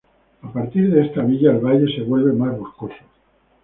A partir de esta villa el valle se vuelve más boscoso.